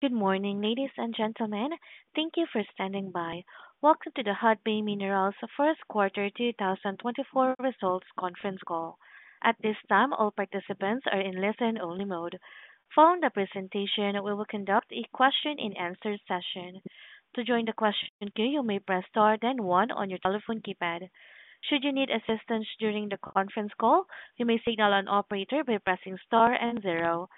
Good morning, ladies and gentlemen. Thank you for standing by. Welcome to the Hudbay Minerals First Quarter 2024 Results Conference Call. At this time, all participants are in listen-only mode. Following the presentation, we will conduct a question-and-answer session. To join the question queue, you may press star then one on your telephone keypad. Should you need assistance during the conference call, you may signal an operator by pressing star and zero.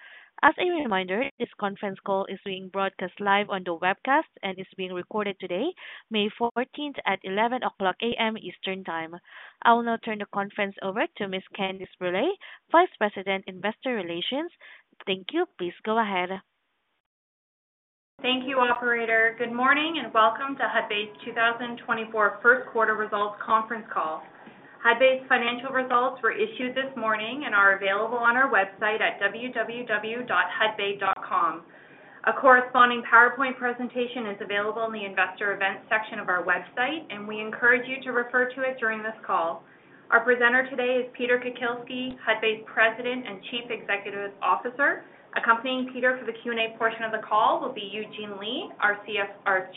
As a reminder, this conference call is being broadcast live on the webcast and is being recorded today, May fourteenth, at 11:00 A.M. Eastern Time. I will now turn the conference over to Miss Candace Brule, Vice President, Investor Relations. Thank you. Please go ahead. Thank you, operator. Good morning, and welcome to Hudbay's 2024 first quarter results conference call. Hudbay's financial results were issued this morning and are available on our website at www.hudbay.com. A corresponding PowerPoint presentation is available in the Investor Events section of our website, and we encourage you to refer to it during this call. Our presenter today is Peter Kukielski, Hudbay's President and Chief Executive Officer. Accompanying Peter for the Q&A portion of the call will be Eugene Lei, our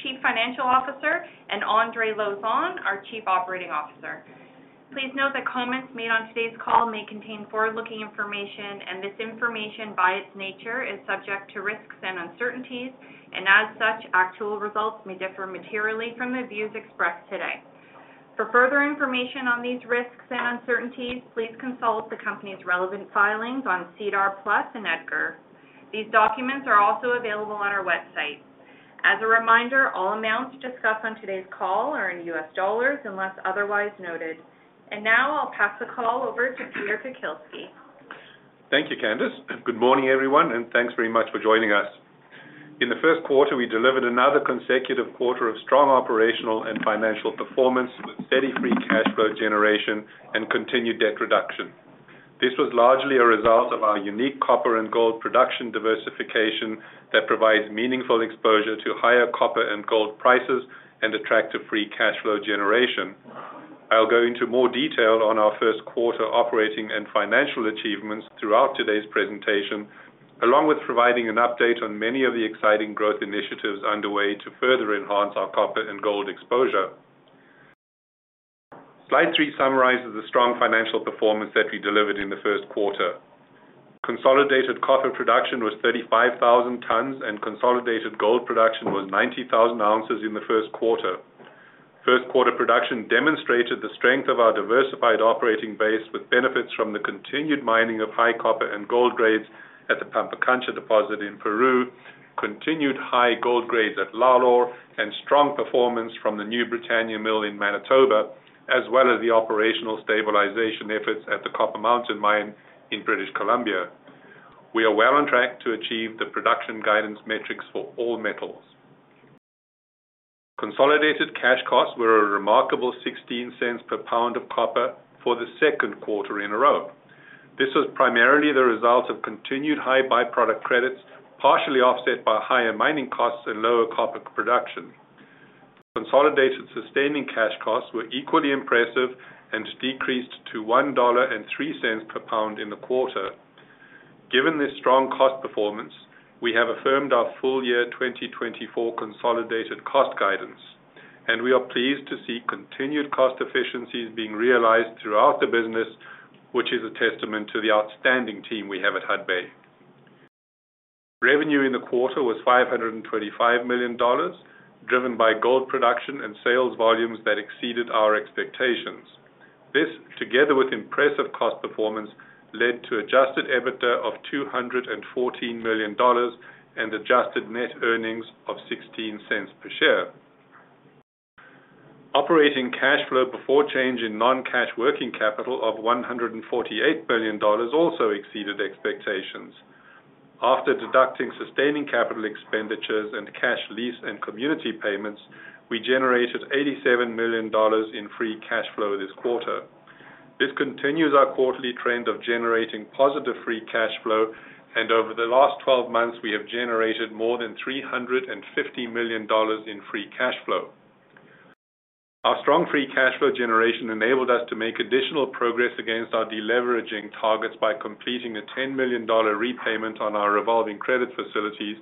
Chief Financial Officer, and Andre Lauzon, our Chief Operating Officer. Please note that comments made on today's call may contain forward-looking information, and this information, by its nature, is subject to risks and uncertainties, and as such, actual results may differ materially from the views expressed today. For further information on these risks and uncertainties, please consult the company's relevant filings on SEDAR+ and EDGAR. These documents are also available on our website. As a reminder, all amounts discussed on today's call are in US dollars unless otherwise noted. Now I'll pass the call over to Peter Kukielski. Thank you, Candace, and good morning, everyone, and thanks very much for joining us. In the first quarter, we delivered another consecutive quarter of strong operational and financial performance with steady free cash flow generation and continued debt reduction. This was largely a result of our unique copper and gold production diversification that provides meaningful exposure to higher copper and gold prices and attractive free cash flow generation. I'll go into more detail on our first quarter operating and financial achievements throughout today's presentation, along with providing an update on many of the exciting growth initiatives underway to further enhance our copper and gold exposure. Slide 3 summarizes the strong financial performance that we delivered in the first quarter. Consolidated copper production was 35,000 tons, and consolidated gold production was 90,000 ounces in the first quarter. First quarter production demonstrated the strength of our diversified operating base, with benefits from the continued mining of high copper and gold grades at the Pampacancha deposit in Peru, continued high gold grades at Lalor, and strong performance from the New Britannia Mill in Manitoba, as well as the operational stabilization efforts at the Copper Mountain Mine in British Columbia. We are well on track to achieve the production guidance metrics for all metals. Consolidated cash costs were a remarkable $0.16 per pound of copper for the second quarter in a row. This was primarily the result of continued high by-product credits, partially offset by higher mining costs and lower copper production. Consolidated sustaining cash costs were equally impressive and decreased to $1.03 per pound in the quarter. Given this strong cost performance, we have affirmed our full year 2024 consolidated cost guidance, and we are pleased to see continued cost efficiencies being realized throughout the business, which is a testament to the outstanding team we have at Hudbay. Revenue in the quarter was $525 million, driven by gold production and sales volumes that exceeded our expectations. This, together with impressive cost performance, led to Adjusted EBITDA of $214 million and Adjusted net earnings of 16 cents per share. Operating cash flow before change in non-cash working capital of $148 million also exceeded expectations. After deducting sustaining capital expenditures and cash lease and community payments, we generated $87 million in free cash flow this quarter. This continues our quarterly trend of generating positive free cash flow, and over the last 12 months, we have generated more than $350 million in free cash flow. Our strong free cash flow generation enabled us to make additional progress against our deleveraging targets by completing a $10 million repayment on our revolving credit facilities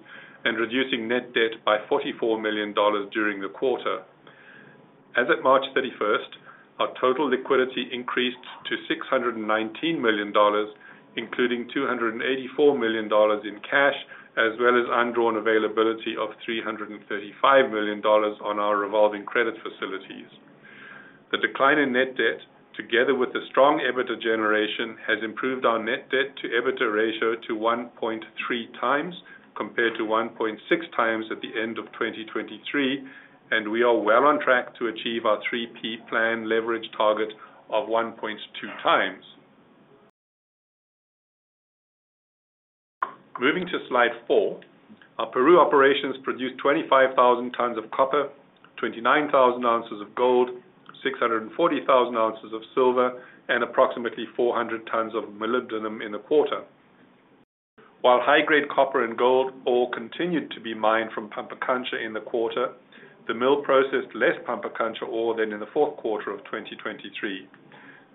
and reducing net debt by $44 million during the quarter. As at March 31, our total liquidity increased to $619 million, including $284 million in cash, as well as undrawn availability of $335 million on our revolving credit facilities. The decline in net debt, together with the strong EBITDA generation, has improved our net debt to EBITDA ratio to 1.3 times, compared to 1.6 times at the end of 2023, and we are well on track to achieve 3-P Plan leverage target of 1.2 times. Moving to Slide 4. Our Peru operations produced 25,000 tons of copper, 29,000 ounces of gold, 640,000 ounces of silver, and approximately 400 tons of molybdenum in the quarter. While high-grade copper and gold ore continued to be mined from Pampacancha in the quarter, the mill processed less Pampacancha ore than in the fourth quarter of 2023.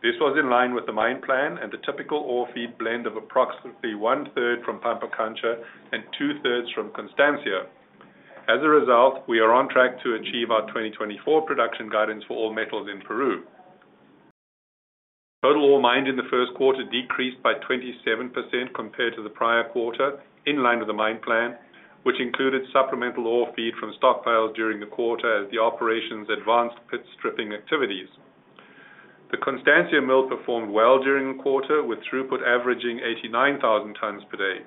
This was in line with the mine plan and the typical ore feed blend of approximately one-third from Pampacancha and two-thirds from Constancia. As a result, we are on track to achieve our 2024 production guidance for all metals in Peru. Total ore mined in the first quarter decreased by 27% compared to the prior quarter, in line with the mine plan, which included supplemental ore feed from stockpiles during the quarter as the operations advanced pit stripping activities. The Constancia Mill performed well during the quarter, with throughput averaging 89,000 tons per day.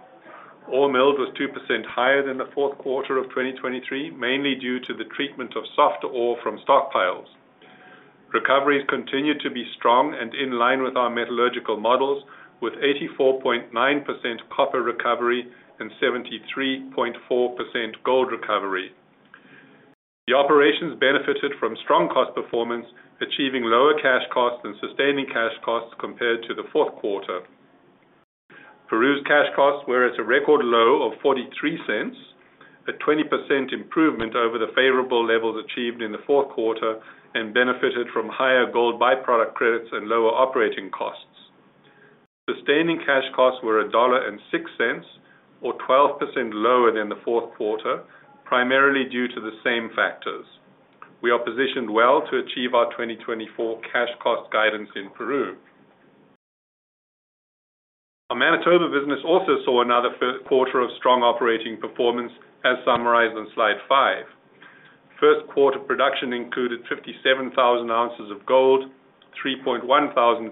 Ore milled was 2% higher than the fourth quarter of 2023, mainly due to the treatment of soft ore from stockpiles. Recoveries continued to be strong and in line with our metallurgical models, with 84.9% copper recovery and 73.4% gold recovery. The operations benefited from strong cost performance, achieving lower cash costs and sustaining cash costs compared to the fourth quarter. Peru's cash costs were at a record low of $0.43, a 20% improvement over the favorable levels achieved in the fourth quarter, and benefited from higher gold by-product credits and lower operating costs. Sustaining cash costs were $1.06, or 12% lower than the fourth quarter, primarily due to the same factors. We are positioned well to achieve our 2024 cash cost guidance in Peru. Our Manitoba business also saw another first quarter of strong operating performance, as summarized on slide 5. First quarter production included 57,000 ounces of gold, 3,100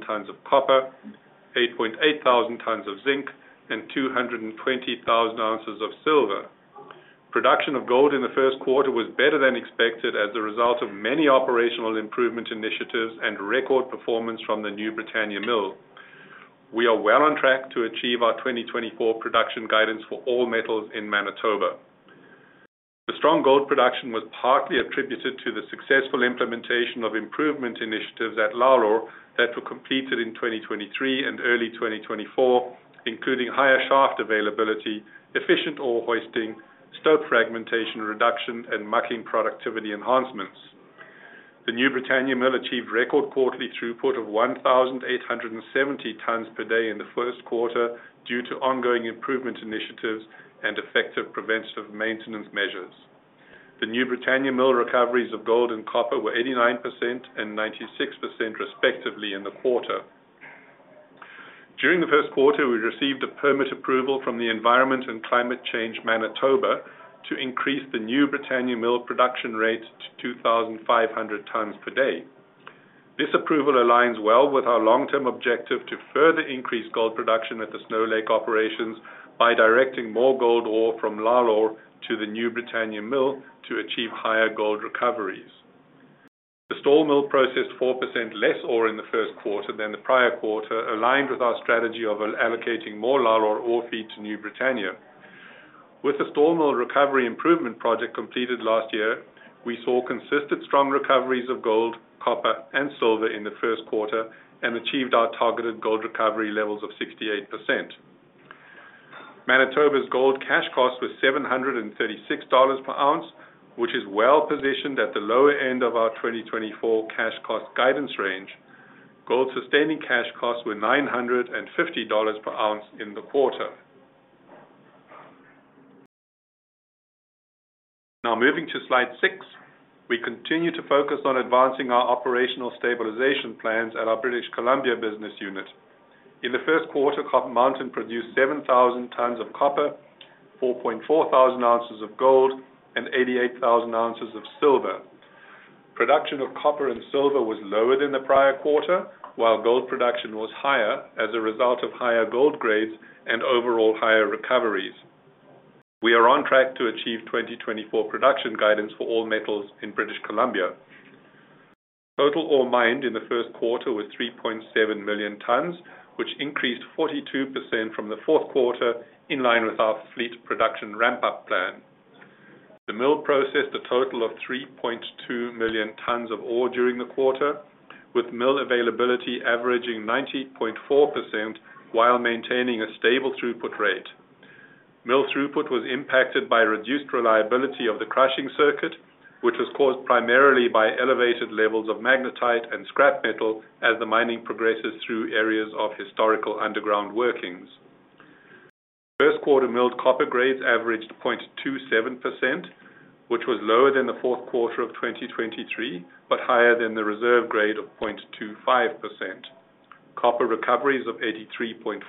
tons of copper, 8,800 tons of zinc, and 220,000 ounces of silver. Production of gold in the first quarter was better than expected as a result of many operational improvement initiatives and record performance from the New Britannia Mill. We are well on track to achieve our 2024 production guidance for all metals in Manitoba. The strong gold production was partly attributed to the successful implementation of improvement initiatives at Lalor that were completed in 2023 and early 2024, including higher shaft availability, efficient ore hoisting, stope fragmentation reduction, and mucking productivity enhancements. The New Britannia Mill achieved record quarterly throughput of 1,870 tons per day in the first quarter due to ongoing improvement initiatives and effective preventative maintenance measures. The New Britannia Mill recoveries of gold and copper were 89% and 96%, respectively, in the quarter. During the first quarter, we received a permit approval from the Environment and Climate Change Manitoba to increase the New Britannia Mill production rate to 2,500 tons per day. This approval aligns well with our long-term objective to further increase gold production at the Snow Lake operations by directing more gold ore from Lalor to the New Britannia Mill to achieve higher gold recoveries. The Stall Mill processed 4% less ore in the first quarter than the prior quarter, aligned with our strategy of allocating more Lalor ore feed to New Britannia. With the Stall Mill Recovery Improvement project completed last year, we saw consistent strong recoveries of gold, copper, and silver in the first quarter and achieved our targeted gold recovery levels of 68%. Manitoba's gold cash cost was $736 per ounce, which is well positioned at the lower end of our 2024 cash cost guidance range. Gold sustaining cash costs were $950 per ounce in the quarter. Now, moving to slide 6, we continue to focus on advancing our operational stabilization plans at our British Columbia business unit. In the first quarter, Copper Mountain produced 7,000 tons of copper, 4.4 thousand ounces of gold, and 88,000 ounces of silver. Production of copper and silver was lower than the prior quarter, while gold production was higher as a result of higher gold grades and overall higher recoveries. We are on track to achieve 2024 production guidance for all metals in British Columbia. Total ore mined in the first quarter was 3.7 million tons, which increased 42% from the fourth quarter, in line with our fleet production ramp-up plan. The mill processed a total of 3.2 million tons of ore during the quarter, with mill availability averaging 90.4% while maintaining a stable throughput rate. Mill throughput was impacted by reduced reliability of the crushing circuit, which was caused primarily by elevated levels of magnetite and scrap metal as the mining progresses through areas of historical underground workings. First quarter milled copper grades averaged 0.27%, which was lower than the fourth quarter of 2023, but higher than the reserve grade of 0.25%. Copper recoveries of 83.4%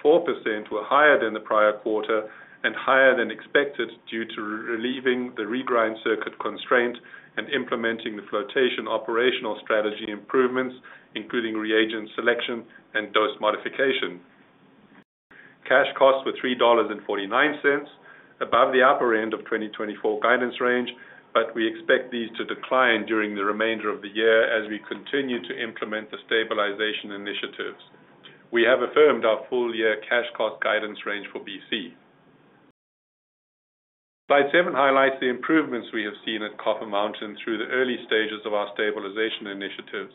were higher than the prior quarter and higher than expected, due to relieving the regrind circuit constraint and implementing the flotation operational strategy improvements, including reagent selection and dose modification. Cash costs were $3.49, above the upper end of 2024 guidance range, but we expect these to decline during the remainder of the year as we continue to implement the stabilization initiatives. We have affirmed our full year cash cost guidance range for BC. Slide seven highlights the improvements we have seen at Copper Mountain through the early stages of our stabilization initiatives.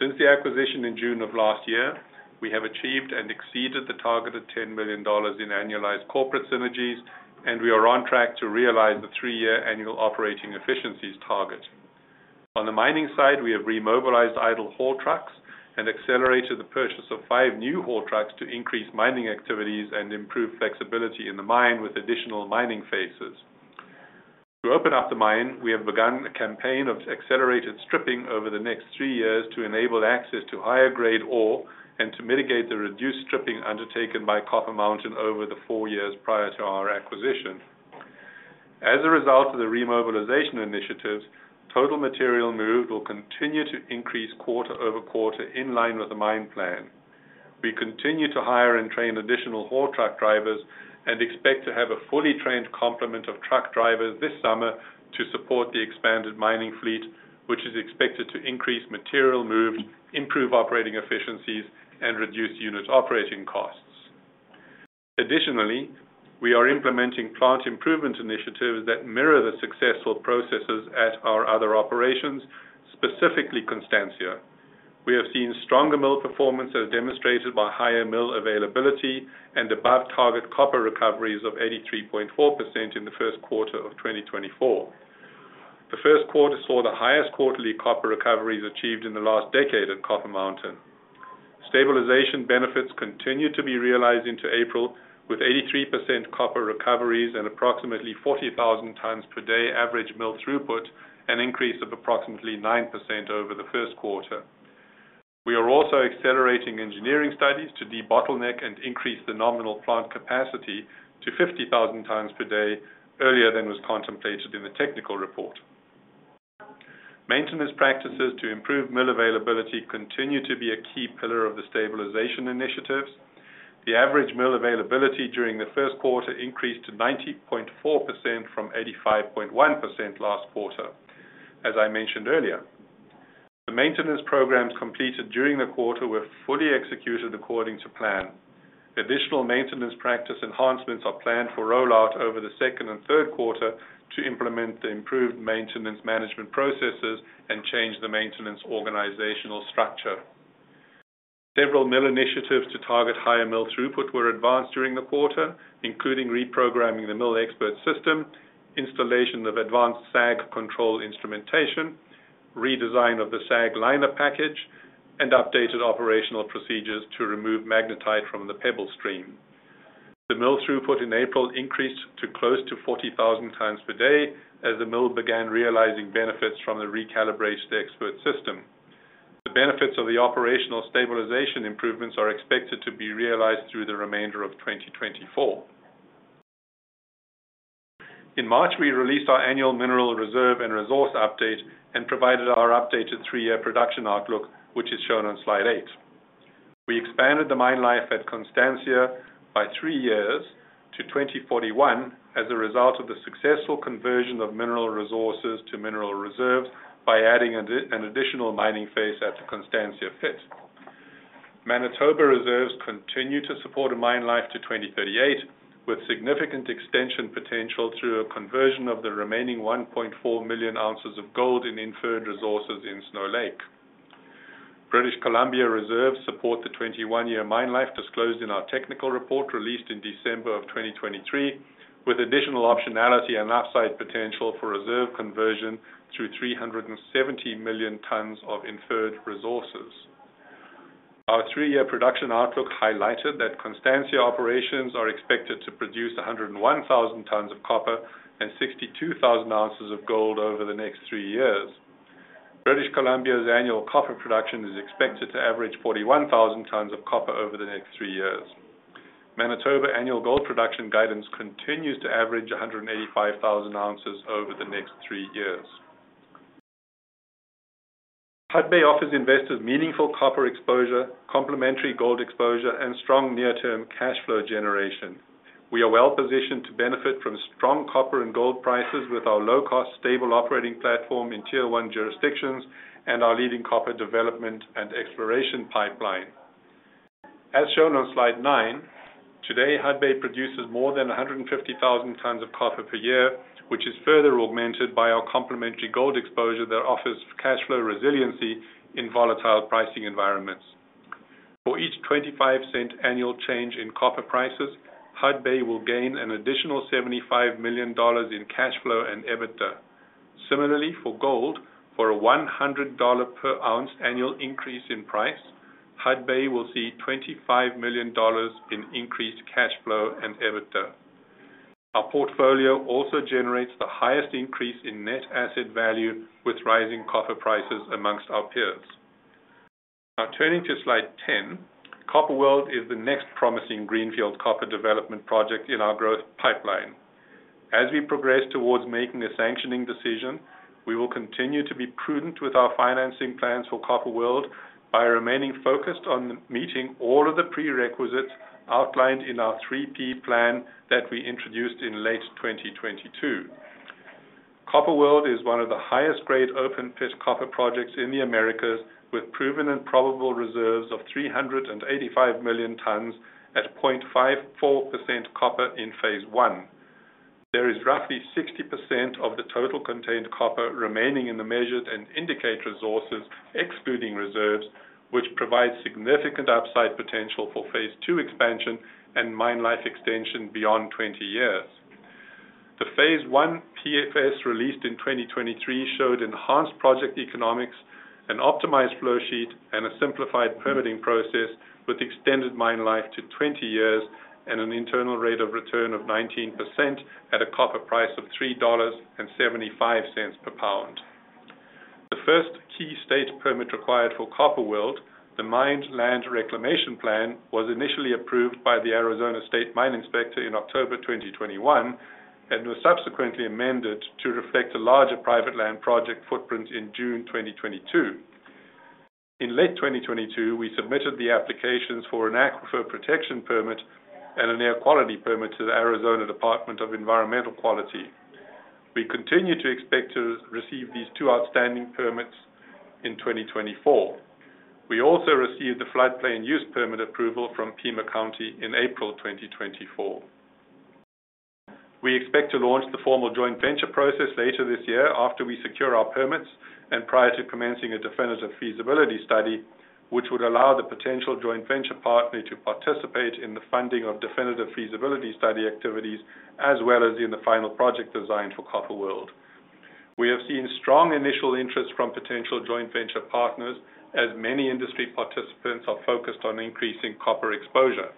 Since the acquisition in June of last year. We have achieved and exceeded the targeted $10 million in annualized corporate synergies, and we are on track to realize the three-year annual operating efficiencies target. On the mining side, we have remobilized idle haul trucks and accelerated the purchase of five new haul trucks to increase mining activities and improve flexibility in the mine with additional mining phases. To open up the mine, we have begun a campaign of accelerated stripping over the next three years to enable access to higher grade ore and to mitigate the reduced stripping undertaken by Copper Mountain over the four years prior to our acquisition. As a result of the remobilization initiatives, total material moved will continue to increase quarter-over-quarter in line with the mine plan. We continue to hire and train additional haul truck drivers and expect to have a fully trained complement of truck drivers this summer to support the expanded mining fleet, which is expected to increase material moved, improve operating efficiencies, and reduce unit operating costs. Additionally, we are implementing plant improvement initiatives that mirror the successful processes at our other operations, specifically Constancia. We have seen stronger mill performance as demonstrated by higher mill availability and above target copper recoveries of 83.4% in the first quarter of 2024. The first quarter saw the highest quarterly copper recoveries achieved in the last decade at Copper Mountain. Stabilization benefits continue to be realized into April, with 83% copper recoveries and approximately 40,000 tons per day average mill throughput, an increase of approximately 9% over the first quarter. We are also accelerating engineering studies to debottleneck and increase the nominal plant capacity to 50,000 tons per day earlier than was contemplated in the Technical Report. Maintenance practices to improve mill availability continue to be a key pillar of the stabilization initiatives. The average mill availability during the first quarter increased to 90.4% from 85.1% last quarter, as I mentioned earlier. The maintenance programs completed during the quarter were fully executed according to plan. Additional maintenance practice enhancements are planned for rollout over the second and third quarter to implement the improved maintenance management processes and change the maintenance organizational structure. Several mill initiatives to target higher mill throughput were advanced during the quarter, including reprogramming the mill expert system, installation of advanced SAG control instrumentation, redesign of the SAG liner package, and updated operational procedures to remove magnetite from the pebble stream. The mill throughput in April increased to close to 40,000 tonnes per day as the mill began realizing benefits from the recalibrated expert system. The benefits of the operational stabilization improvements are expected to be realized through the remainder of 2024. In March, we released our annual Mineral Reserve and Mineral Resource update and provided our updated 3-year production outlook, which is shown on slide 8. We expanded the mine life at Constancia by 3 years to 2041 as a result of the successful conversion of Mineral Resources to Mineral Reserves by adding an additional mining phase at the Constancia pit. Manitoba reserves continue to support a mine life to 2038, with significant extension potential through a conversion of the remaining 1.4 million ounces of gold in Inferred Resources in Snow Lake. British Columbia reserves support the 21-year mine life disclosed in our Technical Report, released in December of 2023, with additional optionality and upside potential for reserve conversion through 370 million tons of Inferred Resources. Our 3-year production outlook highlighted that Constancia operations are expected to produce 101,000 tons of copper and 62,000 ounces of gold over the next three years. British Columbia's annual copper production is expected to average 41,000 tons of copper over the next three years. Manitoba annual gold production guidance continues to average 185,000 ounces over the next three years. Hudbay offers investors meaningful copper exposure, complementary gold exposure, and strong near-term cash flow generation. We are well positioned to benefit from strong copper and gold prices with our low-cost, stable operating platform in Tier One jurisdictions and our leading copper development and exploration pipeline. As shown on slide 9, today, Hudbay produces more than 150,000 tons of copper per year, which is further augmented by our complementary gold exposure that offers cash flow resiliency in volatile pricing environments. For each $0.25 annual change in copper prices, Hudbay will gain an additional $75 million in cash flow and EBITDA. Similarly, for gold, for a $100 per ounce annual increase in price, Hudbay will see $25 million in increased cash flow and EBITDA. Our portfolio also generates the highest increase in net asset value with rising copper prices among our peers. Now, turning to slide 10, Copper World is the next promising greenfield copper development project in our growth pipeline. As we progress towards making a sanctioning decision, we will continue to be prudent with our financing plans for Copper World by remaining focused on meeting all of the prerequisites outlined 3-P Plan that we introduced in late 2022. Copper World is one of the highest-grade open-pit copper projects in the Americas, with Proven and Probable Reserves of 385 million tons at 0.54% copper in Phase I. There is roughly 60% of the total contained copper remaining in the Measured and Indicated Resources, excluding reserves, which provides significant upside potential for Phase II expansion and mine life extension beyond 20 years. The Phase I PFS released in 2023 showed enhanced project economics and optimized flow sheet, and a simplified permitting process, with extended mine life to 20 years and an internal rate of return of 19% at a copper price of $3.75 per pound. The first key state permit required for Copper World, the Mined Land Reclamation Plan, was initially approved by the Arizona State Mine Inspector in October 2021, and was subsequently amended to reflect a larger private land project footprint in June 2022. In late 2022, we submitted the applications for an Aquifer Protection Permit and an Air Quality Permit to the Arizona Department of Environmental Quality. We continue to expect to receive these two outstanding permits in 2024. We also received the Floodplain Use Permit approval from Pima County in April 2024. We expect to launch the formal joint venture process later this year after we secure our permits and prior to commencing a definitive feasibility study, which would allow the potential joint venture partner to participate in the funding of definitive feasibility study activities, as well as in the final project design for Copper World. We have seen strong initial interest from potential joint venture partners, as many industry participants are focused on increasing copper exposure.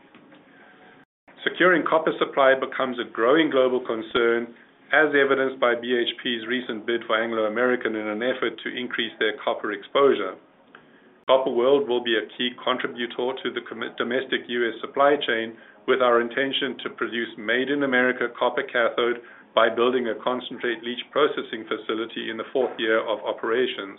Securing copper supply becomes a growing global concern, as evidenced by BHP's recent bid for Anglo American in an effort to increase their copper exposure. Copper World will be a key contributor to the domestic US supply chain, with our intention to produce made in America copper cathode by building a concentrate leach processing facility in the fourth year of operations.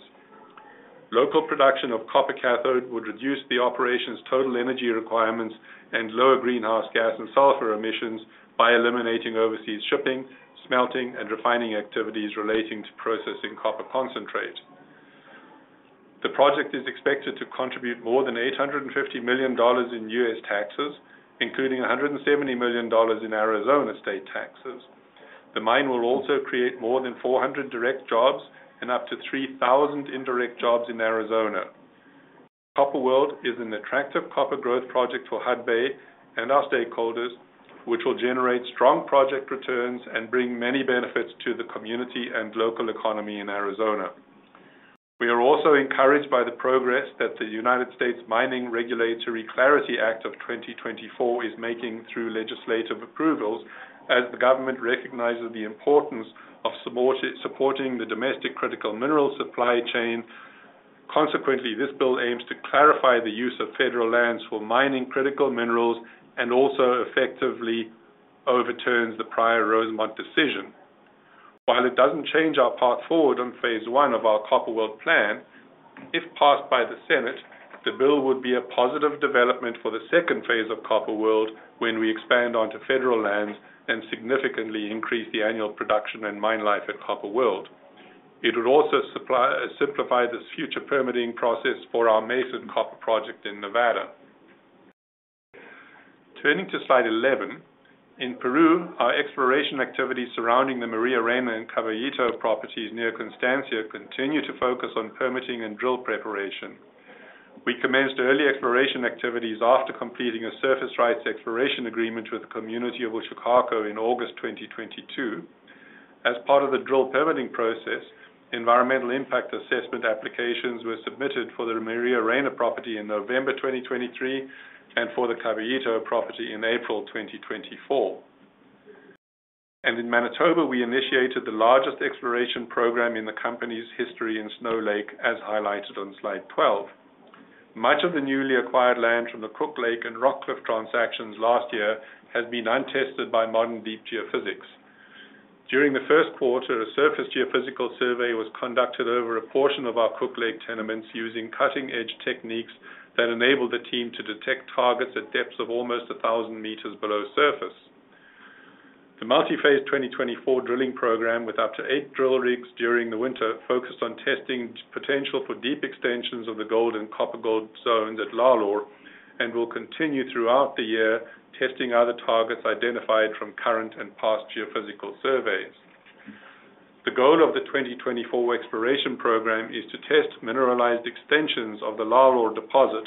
Local production of copper cathode would reduce the operations' total energy requirements and lower greenhouse gas and sulfur emissions by eliminating overseas shipping, smelting, and refining activities relating to processing copper concentrate. The project is expected to contribute more than $850 million in US taxes, including $170 million in Arizona state taxes. The mine will also create more than 400 direct jobs and up to 3,000 indirect jobs in Arizona. Copper World is an attractive copper growth project for Hudbay and our stakeholders, which will generate strong project returns and bring many benefits to the community and local economy in Arizona. We are also encouraged by the progress that the United States Mining Regulatory Clarity Act of 2024 is making through legislative approvals, as the government recognizes the importance of supporting the domestic critical mineral supply chain. Consequently, this bill aims to clarify the use of federal lands for mining critical minerals, and also effectively overturns the prior Rosemont decision. While it doesn't change our path forward on Phase I of our Copper World plan, if passed by the Senate, the bill would be a positive development for the second phase of Copper World when we expand onto federal lands and significantly increase the annual production and mine life at Copper World. It would also simplify this future permitting process for our Mason Copper Project in Nevada. Turning to slide 11. In Peru, our exploration activities surrounding the Maria Reyna and Caballito properties near Constancia continue to focus on permitting and drill preparation. We commenced early exploration activities after completing a surface rights exploration agreement with the community of Uchucarcco in August 2022. As part of the drill permitting process, environmental impact assessment applications were submitted for the Maria Reyna property in November 2023, and for the Caballito property in April 2024. In Manitoba, we initiated the largest exploration program in the company's history in Snow Lake, as highlighted on slide 12. Much of the newly acquired land from the Cook Lake and Rockcliff transactions last year has been untested by modern deep geophysics. During the first quarter, a surface geophysical survey was conducted over a portion of our Cook Lake tenements, using cutting-edge techniques that enabled the team to detect targets at depths of almost 1,000 meters below surface. The multi-phase 2024 drilling program, with up to eight drill rigs during the winter, focused on testing potential for deep extensions of the gold and copper-gold zones at Lalor, and will continue throughout the year, testing other targets identified from current and past geophysical surveys. The goal of the 2024 exploration program is to test mineralized extensions of the Lalor deposit,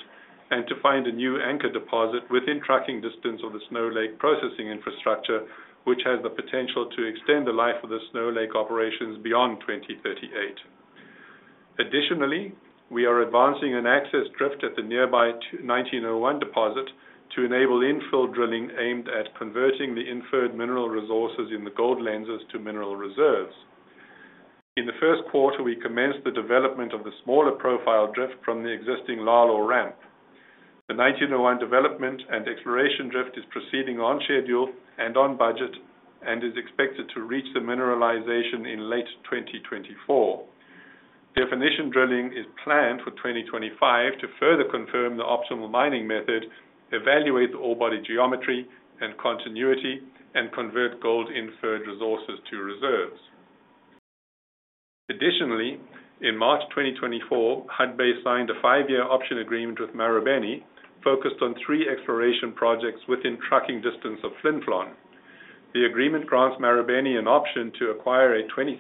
and to find a new anchor deposit within tracking distance of the Snow Lake processing infrastructure, which has the potential to extend the life of the Snow Lake operations beyond 2038. Additionally, we are advancing an access drift at the nearby 1901 deposit to enable infill drilling aimed at converting the Inferred Mineral Resources in the gold lenses to mineral reserves. In the first quarter, we commenced the development of the smaller profile drift from the existing Lalor ramp. The 1901 development and exploration drift is proceeding on schedule and on budget, and is expected to reach the mineralization in late 2024. Definition drilling is planned for 2025 to further confirm the optimal mining method, evaluate the ore body geometry and continuity, and convert gold Inferred Resources to reserves. Additionally, in March 2024, Hudbay signed a 5-year option agreement with Marubeni, focused on 3 exploration projects within trucking distance of Flin Flon. The agreement grants Marubeni an option to acquire a 20%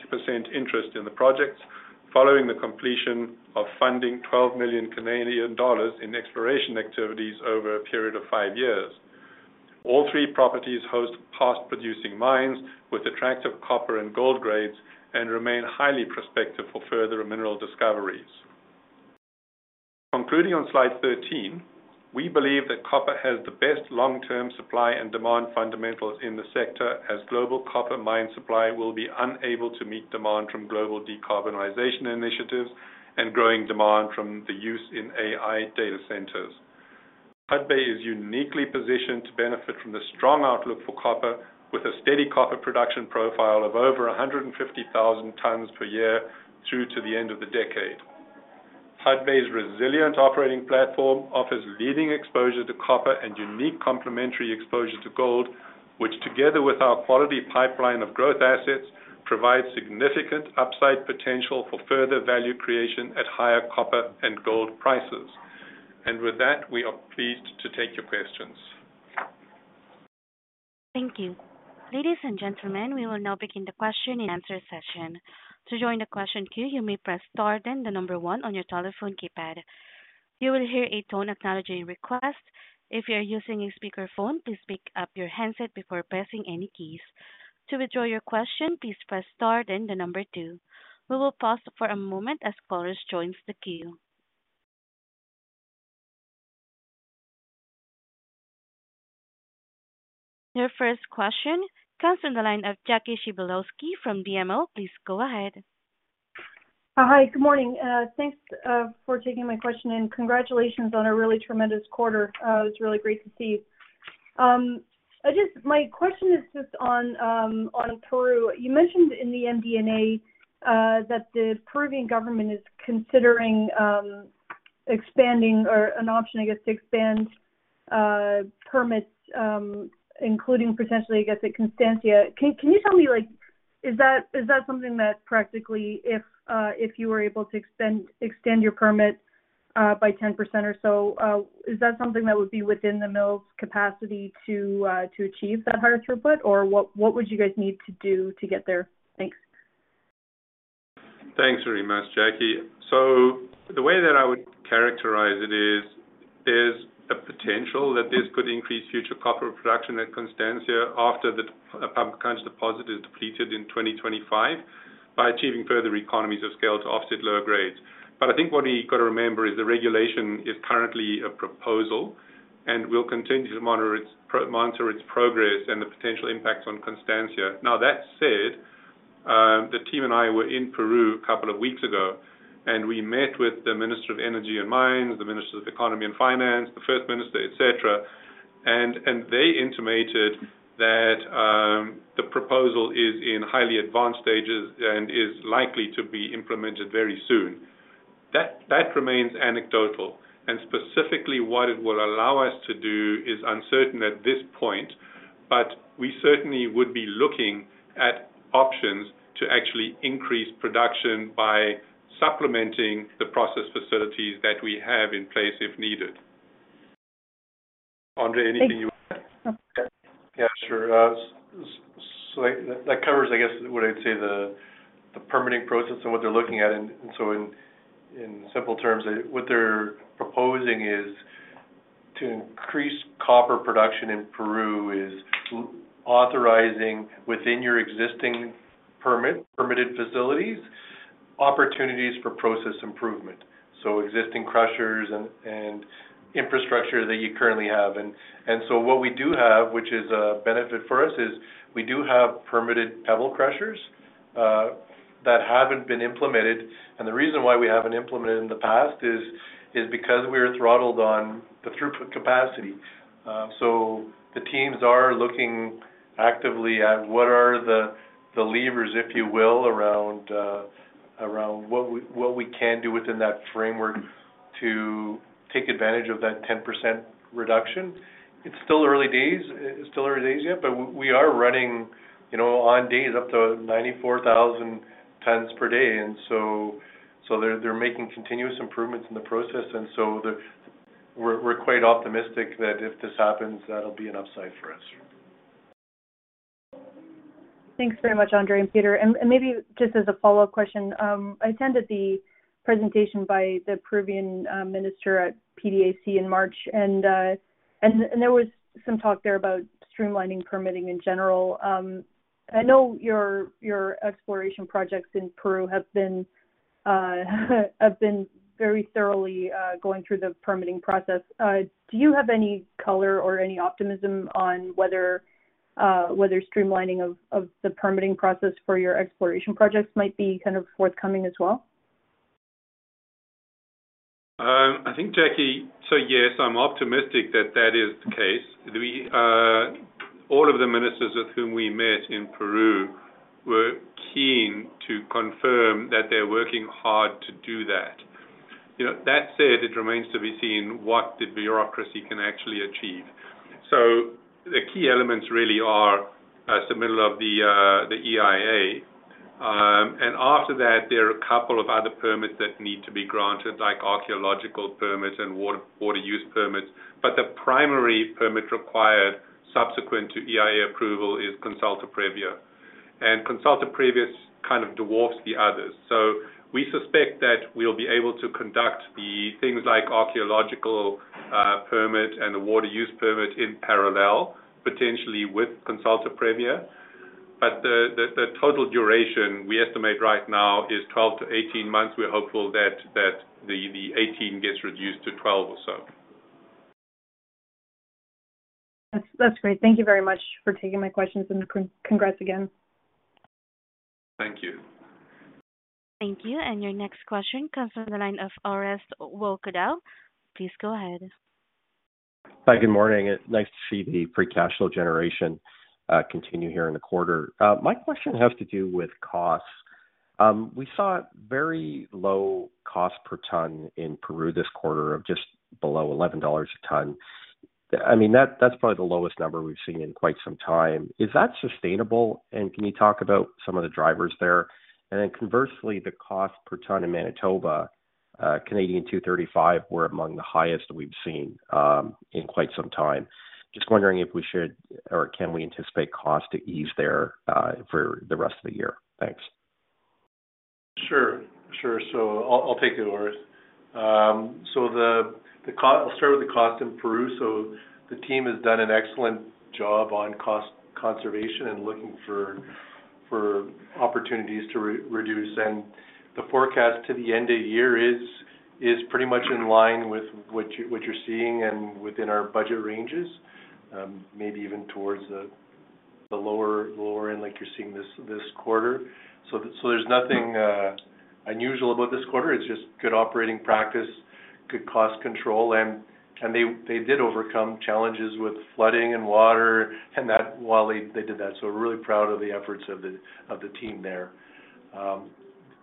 interest in the project following the completion of funding 12 million Canadian dollars in exploration activities over a period of 5 years. All 3 properties host past producing mines with attractive copper and gold grades, and remain highly prospective for further mineral discoveries. Concluding on slide 13, we believe that copper has the best long-term supply and demand fundamentals in the sector, as global copper mine supply will be unable to meet demand from global decarbonization initiatives and growing demand from the use in AI data centers. Hudbay is uniquely positioned to benefit from the strong outlook for copper, with a steady copper production profile of over 150,000 tons per year through to the end of the decade. Hudbay's resilient operating platform offers leading exposure to copper and unique complementary exposure to gold, which, together with our quality pipeline of growth assets, provides significant upside potential for further value creation at higher copper and gold prices. And with that, we are pleased to take your questions. Thank you. Ladies and gentlemen, we will now begin the question and answer session. To join the question queue, you may press star, then the number 1 on your telephone keypad. You will hear a tone acknowledging request. If you are using a speakerphone, please pick up your handset before pressing any keys. To withdraw your question, please press star, then the number 2. We will pause for a moment as callers join the queue. Your first question comes from the line of Jackie Przybylowski from BMO. Please go ahead. Hi, good morning. Thanks for taking my question, and congratulations on a really tremendous quarter. It's really great to see you. My question is just on Peru. You mentioned in the MD&A that the Peruvian government is considering expanding or an option, I guess, to expand permits, including potentially, I guess, at Constancia. Can you tell me, like, is that something that practically, if you were able to extend your permit by 10% or so, is that something that would be within the mill's capacity to achieve that higher throughput? Or what would you guys need to do to get there? Thanks. Thanks very much, Jackie. So the way that I would characterize it is, there's a potential that this could increase future copper production at Constancia after the Pampacancha deposit is depleted in 2025 by achieving further economies of scale to offset lower grades. But I think what we got to remember is the regulation is currently a proposal, and we'll continue to monitor its progress and the potential impacts on Constancia. Now, that said, the team and I were in Peru a couple of weeks ago, and we met with the Minister of Energy and Mines, the Minister of Economy and Finance, the First Minister, et cetera. And they intimated that the proposal is in highly advanced stages and is likely to be implemented very soon. That, that remains anecdotal, and specifically what it will allow us to do is uncertain at this point, but we certainly would be looking at options to actually increase production by supplementing the process facilities that we have in place if needed. Andre, anything you want to add? Yeah, sure. So that covers, I guess, what I'd say, the permitting process and what they're looking at. And so in simple terms, what they're proposing is to increase copper production in Peru, is authorizing within your existing permitted facilities, opportunities for process improvement, so existing crushers and infrastructure that you currently have. And so what we do have, which is a benefit for us, is we do have permitted pebble crushers that haven't been implemented. And the reason why we haven't implemented in the past is because we are throttled on the throughput capacity. So the teams are looking actively at what are the levers, if you will, around what we can do within that framework to take advantage of that 10% reduction. It's still early days. It's still early days, yeah, but we are running, you know, on days, up to 94,000 tons per day. And so, so they're, they're making continuous improvements in the process, and so we're, we're quite optimistic that if this happens, that'll be an upside for us. Thanks very much, Andre and Peter. And maybe just as a follow-up question, I attended the presentation by the Peruvian minister at PDAC in March, and there was some talk there about streamlining permitting in general. I know your exploration projects in Peru have been very thoroughly going through the permitting process. Do you have any color or any optimism on whether streamlining of the permitting process for your exploration projects might be kind of forthcoming as well? I think, Jackie, so yes, I'm optimistic that that is the case. We all of the ministers with whom we met in Peru were keen to confirm that they're working hard to do that.... You know, that said, it remains to be seen what the bureaucracy can actually achieve. So the key elements really are submittal of the EIA. And after that, there are a couple of other permits that need to be granted, like archaeological permits and water use permits. But the primary permit required subsequent to EIA approval is Consulta Previa, and Consulta Previa kind of dwarfs the others. So we suspect that we'll be able to conduct the things like archaeological permit and the water use permit in parallel, potentially with Consulta Previa. But the total duration we estimate right now is 12-18 months. We're hopeful that the 18 gets reduced to 12 or so. That's great. Thank you very much for taking my questions, and congrats again. Thank you. Thank you. And your next question comes from the line of Orest Wowkodaw. Please go ahead. Hi, good morning. It's nice to see the free cash flow generation, continue here in the quarter. My question has to do with costs. We saw very low cost per tonne in Peru this quarter, of just below $11 a tonne. I mean, that's probably the lowest number we've seen in quite some time. Is that sustainable? And can you talk about some of the drivers there? And then conversely, the cost per tonne in Manitoba, Canadian 235, were among the highest we've seen, in quite some time. Just wondering if we should or can we anticipate costs to ease there, for the rest of the year? Thanks. Sure, sure. So I'll take it, Horace. So the cost in Peru. So the team has done an excellent job on cost conservation and looking for opportunities to reduce. And the forecast to the end of year is pretty much in line with what you're seeing and within our budget ranges, maybe even towards the lower end, like you're seeing this quarter. So there's nothing unusual about this quarter. It's just good operating practice, good cost control, and they did overcome challenges with flooding and water, and that while they did that. So we're really proud of the efforts of the team there.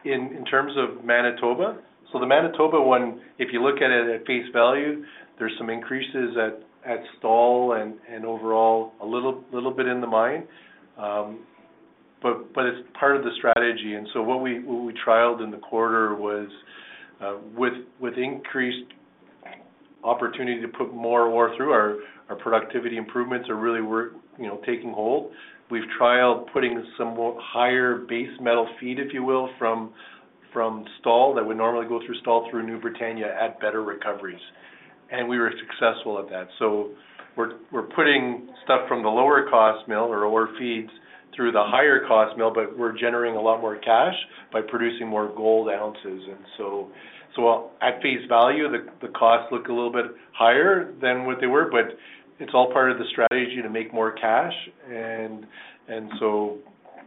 In terms of Manitoba, so the Manitoba one, if you look at it at face value, there's some increases at Stall and overall, a little bit in the mine. But it's part of the strategy. And so what we trialed in the quarter was, with increased opportunity to put more ore through our productivity improvements are really you know, taking hold. We've trialed putting some more higher base metal feed, if you will, from Stall, that would normally go through Stall, through New Britannia at better recoveries. And we were successful at that. So we're putting stuff from the lower-cost mill or ore feeds through the higher-cost mill, but we're generating a lot more cash by producing more gold ounces. And so while at face value, the costs look a little bit higher than what they were, but it's all part of the strategy to make more cash. And so,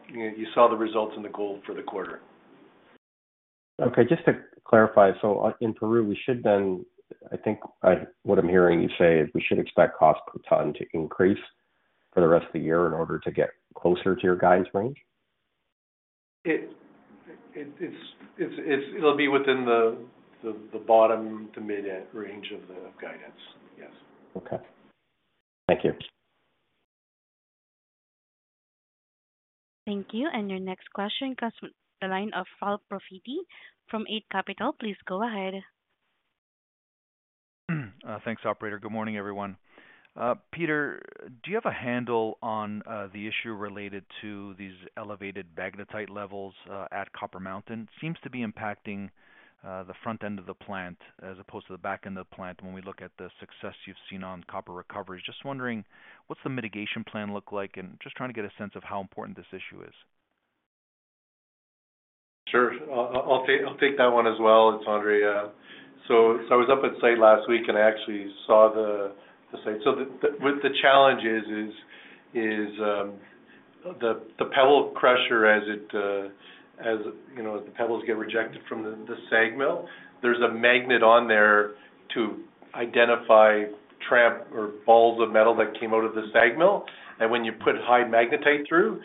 you know, you saw the results in the gold for the quarter. Okay, just to clarify, so in Peru, we should then... I think what I'm hearing you say is we should expect cost per tonne to increase for the rest of the year in order to get closer to your guidance range? It'll be within the bottom to mid range of the guidance. Yes. Okay. Thank you. Thank you. Your next question comes from the line of Ralph Profiti from Eight Capital. Please go ahead. Thanks, operator. Good morning, everyone. Peter, do you have a handle on the issue related to these elevated magnetite levels at Copper Mountain? Seems to be impacting the front end of the plant as opposed to the back end of the plant, when we look at the success you've seen on copper recovery. Just wondering, what's the mitigation plan look like? And just trying to get a sense of how important this issue is. Sure. I'll take that one as well, Andre. So I was up at site last week, and I actually saw the site. So the challenge is the pebble crusher as it, as you know, the pebbles get rejected from the SAG mill, there's a magnet on there to identify tramp or balls of metal that came out of the SAG mill. And when you put high magnetite through,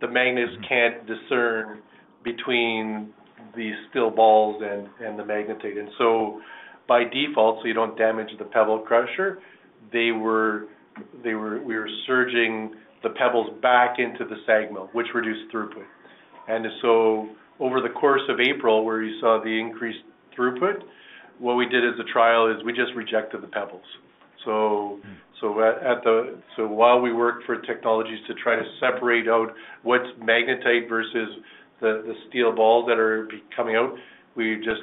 the magnets can't discern between the steel balls and the magnetite. And so by default, so you don't damage the pebble crusher, we were surging the pebbles back into the SAG mill, which reduced throughput. And so over the course of April, where you saw the increased throughput, what we did as a trial is we just rejected the pebbles. So while we worked for technologies to try to separate out what's magnetite versus the steel balls that are coming out, we just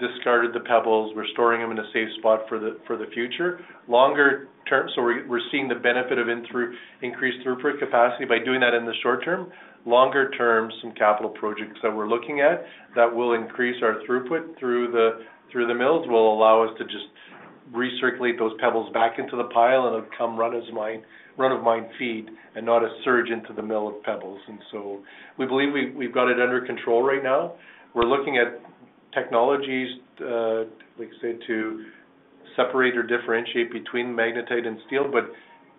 discarded the pebbles. We're storing them in a safe spot for the future. Longer term, we're seeing the benefit of increased throughput capacity by doing that in the short term. Longer term, some capital projects that we're looking at that will increase our throughput through the mills will allow us to just recirculate those pebbles back into the pile and then can run as run-of-mine feed, and not a surge into the mill of pebbles. And so we believe we've got it under control right now. We're looking at technologies, like I said, to... separate or differentiate between magnetite and steel, but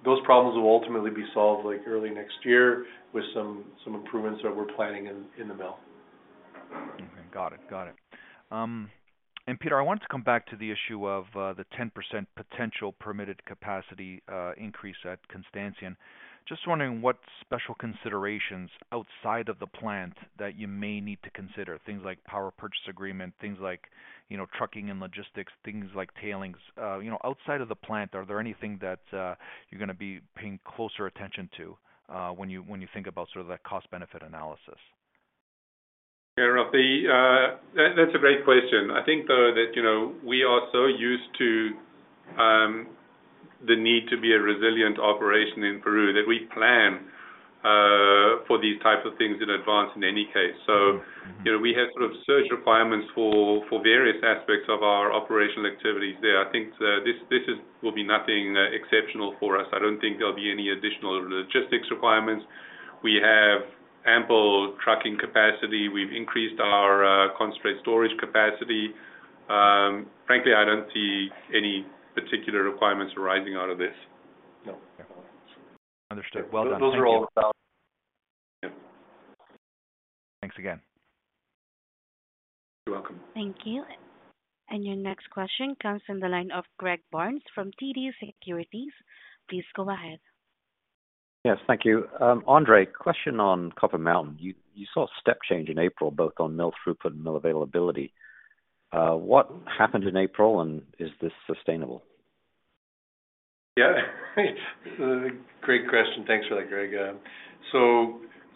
those problems will ultimately be solved, like, early next year with some improvements that we're planning in the mill. Okay, got it. Got it. And Peter, I wanted to come back to the issue of the 10% potential permitted capacity increase at Constancia. Just wondering what special considerations outside of the plant that you may need to consider. Things like power purchase agreement, things like, you know, trucking and logistics, things like tailings. You know, outside of the plant, are there anything that you're gonna be paying closer attention to when you think about sort of that cost-benefit analysis? Yeah, Ralph, that's a great question. I think, though, that, you know, we are so used to the need to be a resilient operation in Peru, that we plan for these type of things in advance in any case. So, you know, we have sort of surge requirements for various aspects of our operational activities there. I think this will be nothing exceptional for us. I don't think there'll be any additional logistics requirements. We have ample trucking capacity. We've increased our concentrate storage capacity. Frankly, I don't see any particular requirements arising out of this. No. Okay. Understood. Well done. Those are all about, yep. Thanks again. You're welcome. Thank you. Your next question comes from the line of Greg Barnes from TD Securities. Please go ahead. Yes, thank you. Andre, question on Copper Mountain. You saw a step change in April, both on mill throughput and mill availability. What happened in April, and is this sustainable? Yeah, great question. Thanks for that, Greg.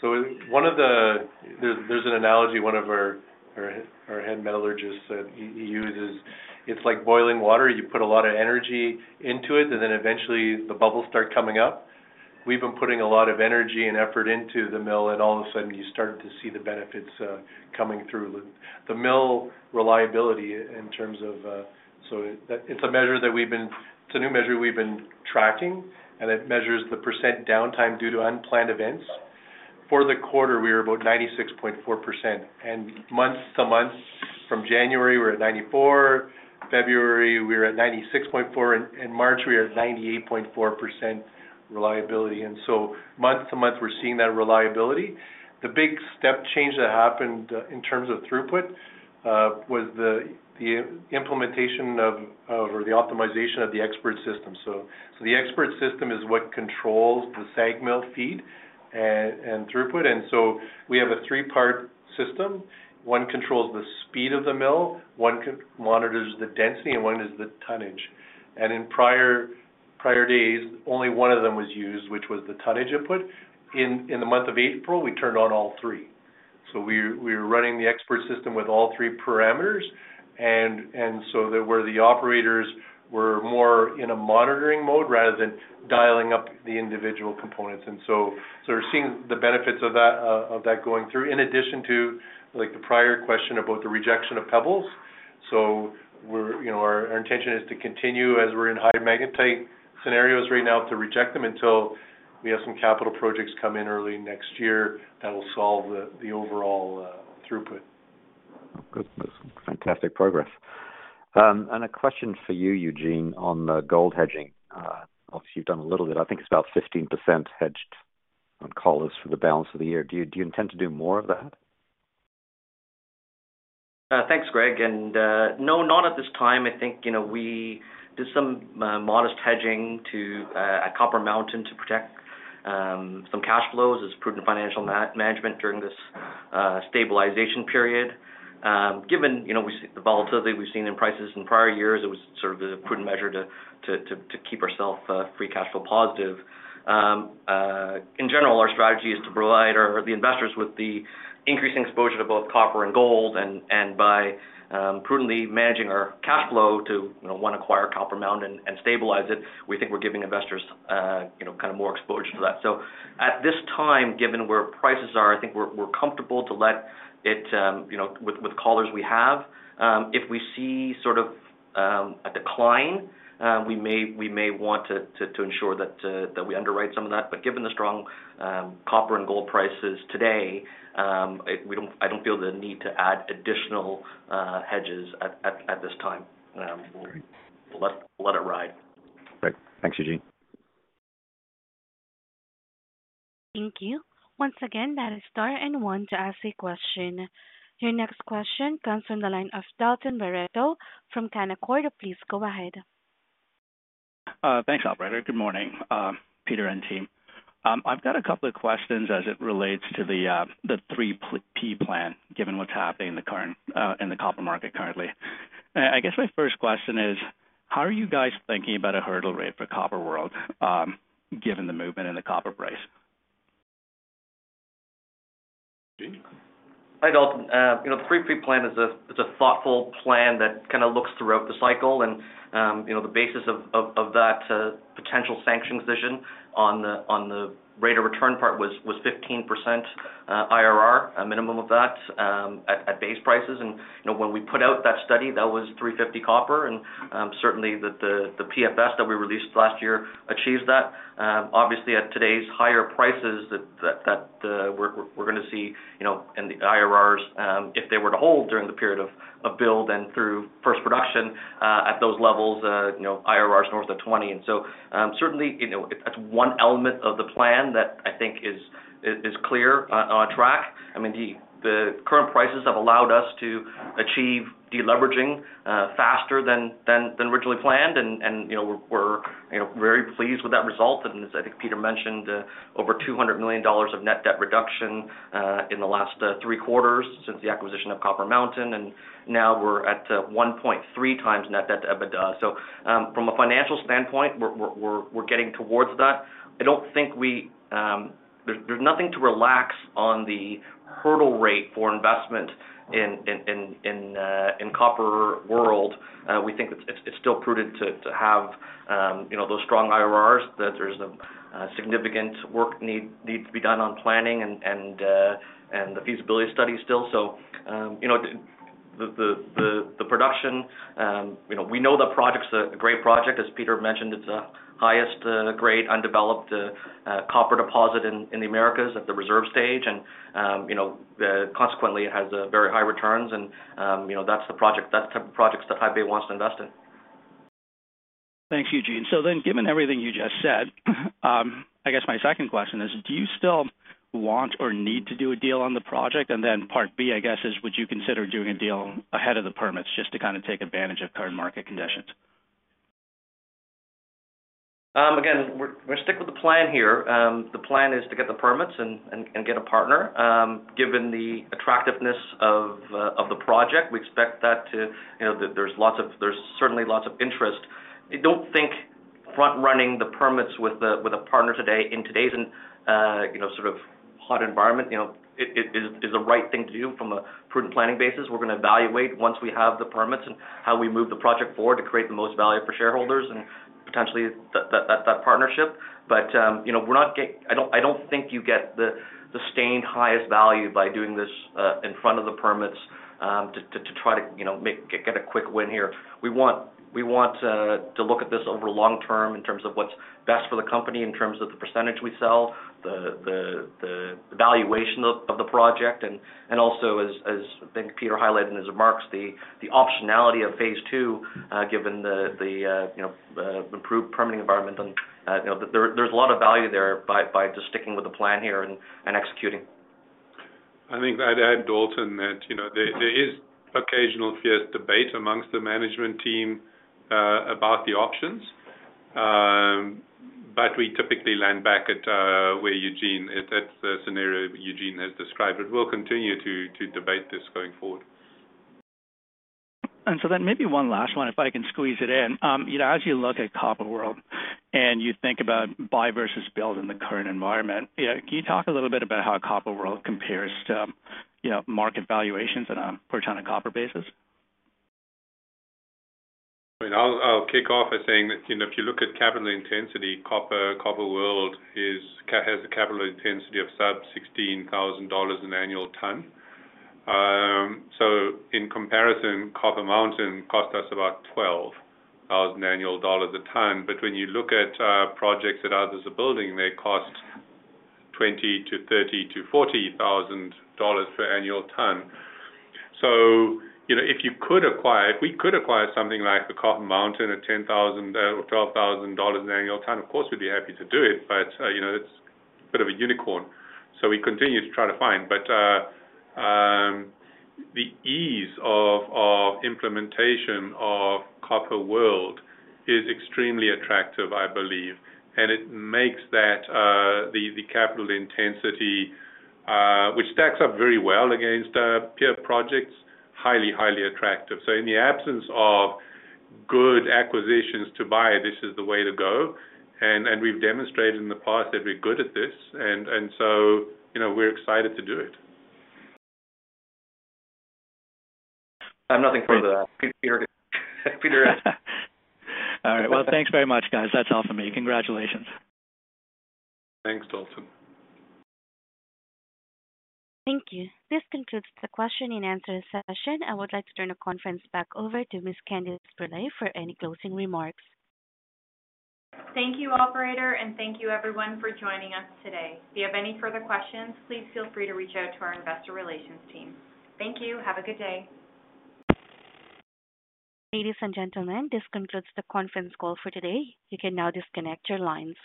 So one of the analogies. There's an analogy one of our head metallurgists said he uses, "It's like boiling water. You put a lot of energy into it, and then eventually the bubbles start coming up." We've been putting a lot of energy and effort into the mill, and all of a sudden you start to see the benefits coming through. The mill reliability in terms of, it's a measure that we've been. It's a new measure we've been tracking, and it measures the percent downtime due to unplanned events. For the quarter, we were about 96.4%, and month to month, from January, we were at 94%, February, we were at 96.4%, and March, we are at 98.4% reliability. Month to month, we're seeing that reliability. The big step change that happened in terms of throughput was the implementation or the optimization of the expert system. So the expert system is what controls the SAG mill feed and throughput, and so we have a three-part system. one controls the speed of the mill, one monitors the density, and one is the tonnage. And in prior days, only one of them was used, which was the tonnage input. In the month of April, we turned on all three. So we were running the expert system with all three parameters. The operators were more in a monitoring mode rather than dialing up the individual components, and so we're seeing the benefits of that going through, in addition to, like, the prior question about the rejection of pebbles. So we're, you know, our intention is to continue as we're in higher magnetite scenarios right now, to reject them until we have some capital projects come in early next year that will solve the overall throughput. Good. That's fantastic progress. And a question for you, Eugene, on the gold hedging. Obviously, you've done a little bit. I think it's about 15% hedged on collars for the balance of the year. Do you, do you intend to do more of that? Thanks, Greg, and no, not at this time. I think, you know, we did some modest hedging at Copper Mountain to protect some cash flows as prudent financial management during this stabilization period. Given, you know, we've seen the volatility we've seen in prices in prior years, it was sort of a prudent measure to keep our free cash flow positive. In general, our strategy is to provide our investors with the increasing exposure to both copper and gold, and by prudently managing our cash flow to, you know, acquire Copper Mountain and stabilize it. We think we're giving investors, you know, kind of more exposure to that. So at this time, given where prices are, I think we're comfortable to let it, you know, with the collars we have. If we see sort of a decline, we may want to ensure that we underwrite some of that. But given the strong copper and gold prices today, it. We don't. I don't feel the need to add additional hedges at this time. We'll let it ride. Great. Thanks, Eugene. Thank you. Once again, that is star and one to ask a question. Your next question comes from the line of Dalton Baretto from Canaccord. Please go ahead. Thanks, operator. Good morning, Peter and team. I've got a couple of questions as it relates to 3-P Plan, given what's happening in the current copper market currently. I guess my first question is: How are you guys thinking about a hurdle rate for Copper World, given the movement in the copper price? Eugene? Hi, Dalton. You know, 3-P Plan is a, it's a thoughtful plan that kind of looks throughout the cycle and, you know, the basis of, of, of that potential sanction decision on the, on the rate of return part was, was 15% IRR, a minimum of that, at, at base prices. And, you know, when we put out that study, that was $3.50 copper, and, certainly the, the, the PFS that we released last year achieved that. Obviously, at today's higher prices, that, that, that, we're, we're gonna see, you know, in the IRRs, if they were to hold during the period of, of build and through first production, at those levels, you know, IRRs north of 20. And so, certainly, you know, that's one element of the plan that I think is clear on track. I mean, the current prices have allowed us to achieve deleveraging faster than originally planned. And, you know, we're very pleased with that result. And as I think Peter mentioned, over $200 million of net debt reduction in the last three quarters since the acquisition of Copper Mountain, and now we're at 1.3 times net debt to EBITDA. So, from a financial standpoint, we're getting towards that. I don't think we... There's nothing to relax on the hurdle rate for investment in Copper World. We think it's still prudent to have, you know, those strong IRRs, that there's a significant work needs to be done on planning and the feasibility study still. So, you know, the production, you know, we know the project's a great project. As Peter mentioned, it's the highest grade undeveloped copper deposit in the Americas at the reserve stage, and, you know, very high returns and, you know, that's the project, that's the type of projects that Hudbay wants to invest in. Thanks, Eugene. So then, given everything you just said, I guess my second question is, do you still want or need to do a deal on the project? And then part B, I guess is, would you consider doing a deal ahead of the permits just to kind of take advantage of current market conditions? Again, we're sticking with the plan here. The plan is to get the permits and get a partner. Given the attractiveness of the project, we expect that to, you know, there's certainly lots of interest. I don't think front-running the permits with a partner today, in today's, you know, sort of hot environment, you know, it is the right thing to do from a prudent planning basis. We're gonna evaluate once we have the permits and how we move the project forward to create the most value for shareholders and potentially that partnership. But, you know, we're not. I don't, I don't think you get the sustained highest value by doing this in front of the permits to try to, you know, make get a quick win here. We want, we want to look at this over long term in terms of what's best for the company, in terms of the percentage we sell, the valuation of the project. And also as I think Peter highlighted in his remarks, the optionality of Phase II given the improved permitting environment. And you know, there's a lot of value there by just sticking with the plan here and executing. I think I'd add, Dalton, that, you know, there is occasional fierce debate among the management team about the options. But we typically land back at where Eugene at the scenario Eugene has described, but we'll continue to debate this going forward. And so then maybe one last one, if I can squeeze it in. You know, as you look at Copper World and you think about buy versus build in the current environment, yeah, can you talk a little bit about how Copper World compares to, you know, market valuations on a per tonne of copper basis? I mean, I'll kick off by saying that, you know, if you look at capital intensity, Copper World has a capital intensity of sub-$16,000 per annual tonne. So in comparison, Copper Mountain cost us about $12,000 per annual tonne. But when you look at projects that others are building, they cost $20,000 to $30,000 to $40,000 per annual tonne. So, you know, if you could acquire, if we could acquire something like the Copper Mountain at $10,000 or $12,000 per annual tonne, of course, we'd be happy to do it, but, you know, it's a bit of a unicorn. So we continue to try to find, but the ease of implementation of Copper World is extremely attractive, I believe. And it makes that the capital intensity, which stacks up very well against peer projects, highly, highly attractive. So in the absence of good acquisitions to buy, this is the way to go. And we've demonstrated in the past that we're good at this, and so, you know, we're excited to do it. I have nothing to add to that. Peter? Peter... All right. Well, thanks very much, guys. That's all for me. Congratulations. Thanks, Dalton. Thank you. This concludes the question and answer session. I would like to turn the conference back over to Ms. Candice Br��l�� for any closing remarks. Thank you, operator, and thank you everyone for joining us today. If you have any further questions, please feel free to reach out to our investor relations team. Thank you. Have a good day. Ladies and gentlemen, this concludes the conference call for today. You can now disconnect your lines.